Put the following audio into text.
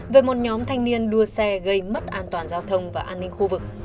về một nhóm thanh niên đua xe gây mất an toàn giao thông và an ninh khu vực